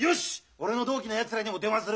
俺の同期のやつらにも電話する。